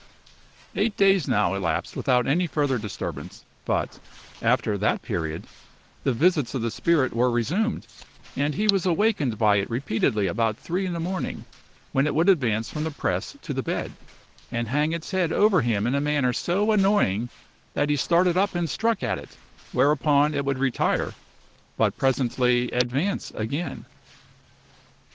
Eight days now elapsed without any further disturbance, but, after that period, the visits of the spirit were resumed, and he was awakened by it repeatedly about three in the morning, when it would advance from the press to the bed, and hang its head over him in a manner so annoying, that he started up and struck at it, whereupon it would retire, but presently advance again.